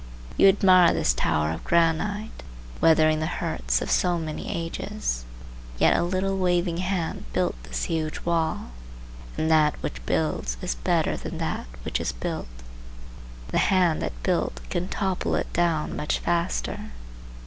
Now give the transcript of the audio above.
You admire this tower of granite, weathering the hurts of so many ages. Yet a little waving hand built this huge wall, and that which builds is better than that which is built. The hand that built can topple it down much faster.